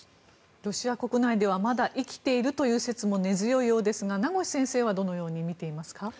ロシア国内ではまだ生きているという説も根強いようですが名越先生はどう見ていますか。